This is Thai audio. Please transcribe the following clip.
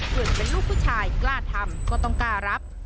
เป็นลูกผู้ชายกล้าทำก็ต้องกล้ารับ